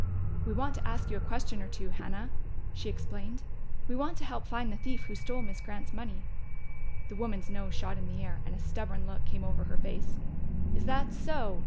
"We want to ask you a question or two, Hannah," she explained. "We want to help find the thief who stole Miss Grant's money." The woman's nose shot up in the air, and a stubborn look came over her face. "Is that so?"